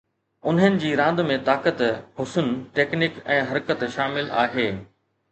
انهن جي راند ۾ طاقت، حسن، ٽيڪنڪ ۽ حرڪت شامل آهي.